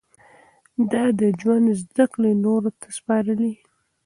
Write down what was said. ده د ژوند زده کړې نورو ته سپارلې.